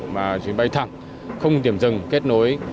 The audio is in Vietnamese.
mà chuyến bay thẳng không điểm rừng kết nối